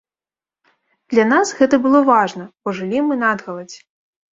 Для нас гэта было важна, бо жылі мы надгаладзь.